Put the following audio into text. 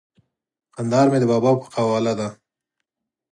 کندهار مي د بابا په قباله دی